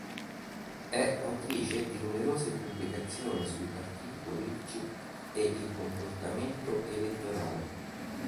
È autrice di numerose pubblicazioni sui partiti politici e il comportamento elettorale.